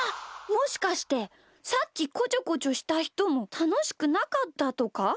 もしかしてさっきこちょこちょしたひともたのしくなかったとか？